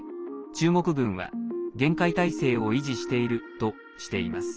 中国軍は厳戒態勢を維持しているとしています。